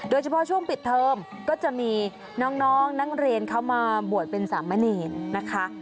โดยเฉพาะช่วงปิดเทิมก็จะมีน้องนั่งเรียนเข้ามาบวชเป็นสามเนรนะคะ